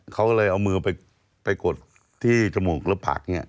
เขาก็เลยเอามือไปกดที่จมูกแล้วผักเนี่ย